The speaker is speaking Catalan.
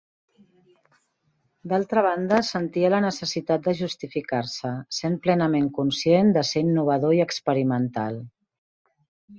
D'altra banda, sentia la necessitat de justificar-se, sent plenament conscient de ser innovador i experimental.